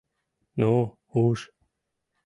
— Ну, уш...